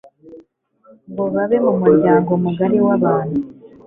ngo babe mu muryango mugari wabantu